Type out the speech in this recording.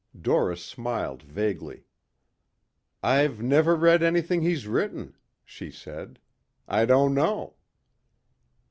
Doris smiled vaguely. "I've never read anything he's written," she said. "I don't know."